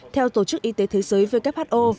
theo tổ chức y tế thế giới who